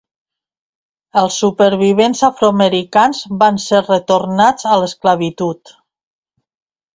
Els supervivents afroamericans van ser retornats a l'esclavitud.